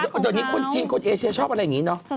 ตอนนี้คนจีนกดเอเชียชอบอะไรอย่างนี้เนอะ